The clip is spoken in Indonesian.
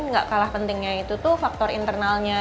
masalah pentingnya itu tuh faktor internalnya